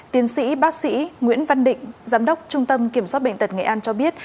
tiến sĩ bác sĩ nguyễn văn định giám đốc trung tâm kiểm soát bệnh tật nghệ an cho biết